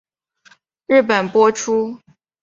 日本播出。